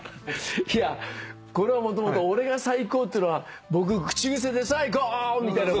いやこれはもともと「俺が最高」っていうのは僕口癖で「さぁ行こう」みたいなことを。